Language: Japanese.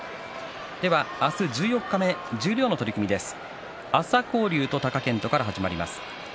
明日、十四日目、十両の取組です。